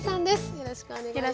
よろしくお願いします。